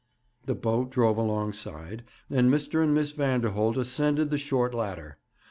The boat drove alongside, and Mr. and Miss Vanderholt ascended the short ladder.